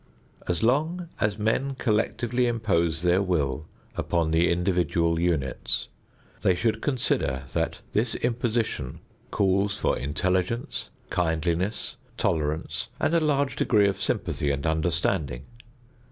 As long as men collectively impose their will upon the individual units, they should consider that this imposition calls for intelligence, kindliness, tolerance and a large degree of sympathy and understanding.